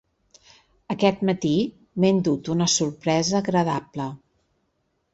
Aquest matí, m’he endut una sorpresa agradable.